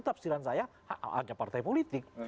tafsiran saya hanya partai politik